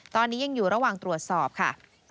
ตอนนี้ยังอยู่ระหว่างตรวจสอบค่ะ